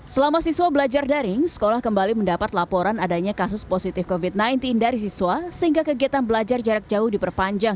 selama siswa belajar daring sekolah kembali mendapat laporan adanya kasus positif covid sembilan belas dari siswa sehingga kegiatan belajar jarak jauh diperpanjang